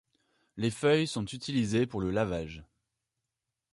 Les feuilles sont utilisées pour le lavage.